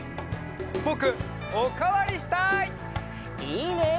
ぼくおかわりしたい！いいね！